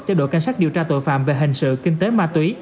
cho đội cảnh sát điều tra tội phạm về hình sự kinh tế ma túy